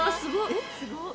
えっすごっ。